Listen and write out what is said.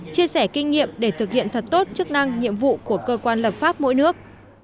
chia sẻ kinh nghiệm để thực hiện thật tốt chức năng nhiệm vụ của cơ quan lập pháp mỗi nước